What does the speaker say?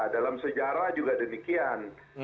dalam sejarah juga demikian